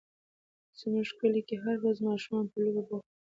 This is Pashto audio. زموږ کلي کې هره ورځ ماشومان په لوبو بوخت وي.